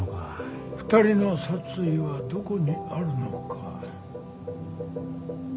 ２人の殺意はどこにあるのか。